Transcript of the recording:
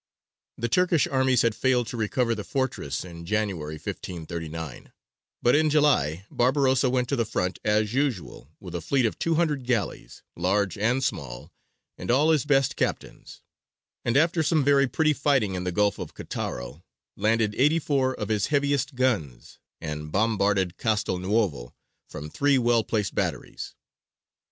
The Turkish armies had failed to recover the fortress in January, 1539; but in July Barbarossa went to the front as usual, with a fleet of two hundred galleys, large and small, and all his best captains; and, after some very pretty fighting in the Gulf of Cattaro, landed eighty four of his heaviest guns and bombarded Castelnuovo, from three well placed batteries.